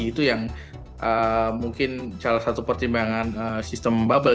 itu yang mungkin salah satu pertimbangan sistem bubble